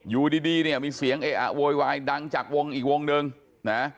อยู่ดีดีเนี่ยมีเสียงเออะโวยวายดังจากวงอีกวงหนึ่งนะ